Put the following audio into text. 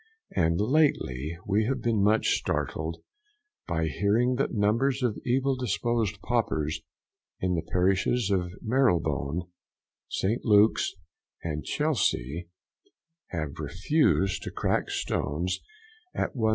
And lately we have been much startled by hearing that numbers of evil disposed paupers in the parishes of Marylebone, St. Luke's and Chelsea, have refused to crack stones at 1s.